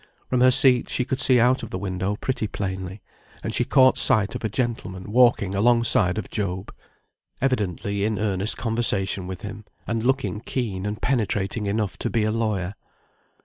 From her seat she could see out of the window pretty plainly, and she caught sight of a gentleman walking alongside of Job, evidently in earnest conversation with him, and looking keen and penetrating enough to be a lawyer.